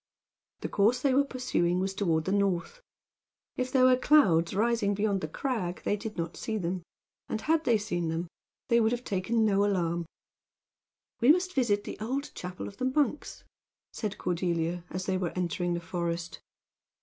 The course they were pursuing was toward the north. If there were clouds rising beyond the crag they did not see them. And had they seen them they would have taken no alarm. "We must visit the old chapel of the monks!" said Cordelia, as they were entering the forest.